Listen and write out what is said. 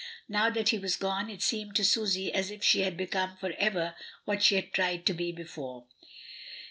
Now that he was gone, it seemed to Susy as if she had become for ever what she had tried to be before.